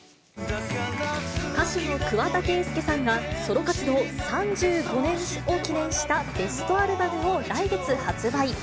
歌手の桑田佳祐さんが、ソロ活動３５年を記念したベストアルバムを来月、発売。